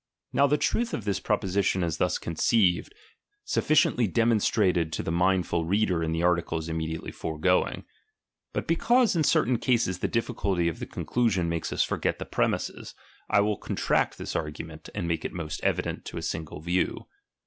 Now the truth of this proposition thus conceived, is Bufficientl; demonstrated to the mindful reader in the article's immediately foregoing ; but because in certain oases the difficulty of the con clusion makes us forget the premises, I will contract this argu ment, and make it most evident to a single view.